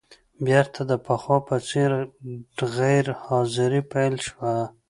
بېرته د پخوا په څېر غیر حاضري پیل شوه.